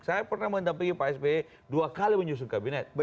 saya pernah mendampingi pak sby dua kali menyusun kabinet